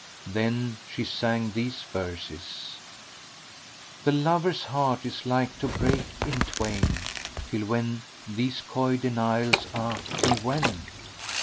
Then she sang these verses, "The lover's heart is like to break in twain: * Till when these coy denials ah! till when?